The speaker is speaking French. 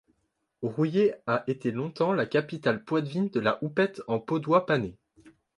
Rouillé a été longtemps la capitale poitevine de la houppette en peau d'oie pannée.